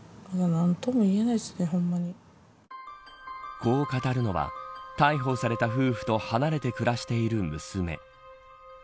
こう語るのは逮捕された夫婦と離れて暮らしている娘。